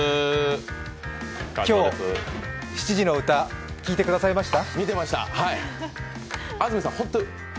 今日、７時の歌、聴いてくださいました？